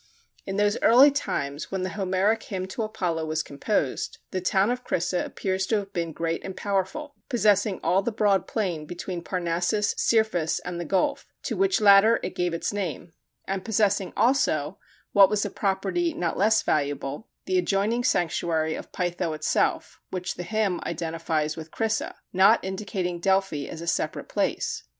In those early times when the Homeric Hymn to Apollo was composed, the town of Crissa appears to have been great and powerful, possessing all the broad plain between Parnassus, Cirphis, and the gulf, to which latter it gave its name and possessing also, what was a property not less valuable, the adjoining sanctuary of Pytho itself, which the Hymn identifies with Crissa, not indicating Delphi as a separate place.